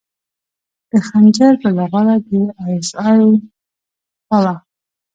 د خنجر بله غاړه د ای اس ای خوا وه.